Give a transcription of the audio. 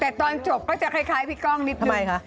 แต่ตอนจบก็จะคล้ายพี่ก้องนิดทำไมคะ